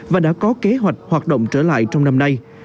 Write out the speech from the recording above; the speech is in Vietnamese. và đã có kế hoạch hoạt động trở lại trong năm nay